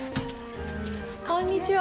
こんにちは。